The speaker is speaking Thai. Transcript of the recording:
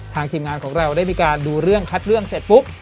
ทีมงานของเราได้มีการดูเรื่องคัดเรื่องเสร็จปุ๊บ